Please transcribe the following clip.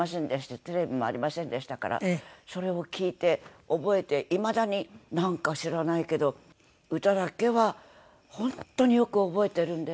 テレビもありませんでしたからそれを聴いて覚えていまだになんか知らないけど歌だけは本当によく覚えてるんです。